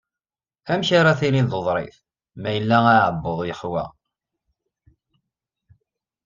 Amek ara tiliḍ d uḍrif, ma yella uεebbuḍ yexwa?